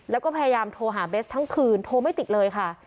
แล้วก็พยายามโทรหาเบสทั้งคืนโทรไม่ติดเลยค่ะ